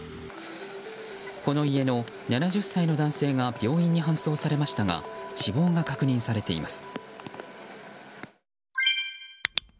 この家の７０代の男性が病院に搬送されましたが死亡が確認されています。